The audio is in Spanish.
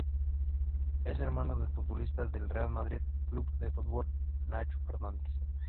Es hermano del futbolista del Real Madrid Club de Fútbol, Nacho Fernández.